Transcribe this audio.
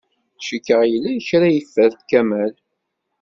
Cikkeɣ yella kra ay yeffer Kamal.